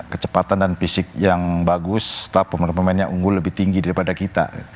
kecepatan dan fisik yang bagus tetap pemain pemain yang unggul lebih tinggi daripada kita